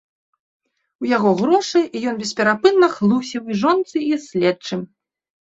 У яго грошы, і ён бесперапынна хлусіў і жонцы, і следчым.